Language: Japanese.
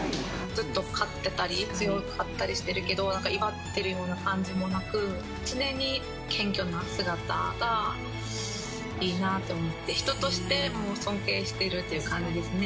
ずっと勝ってたり強かったりしてるけど、なんか威張ってるような感じもなく、常に謙虚な姿がいいなと思って、人としてもう、尊敬しているという感じですね。